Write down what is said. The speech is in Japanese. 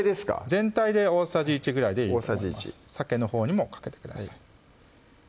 全体で大さじ１ぐらいでいいですさけのほうにもかけてください